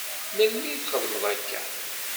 Melmi i txedmeḍ akka?